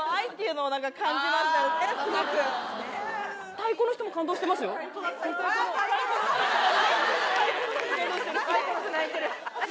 太鼓の人も感動してる。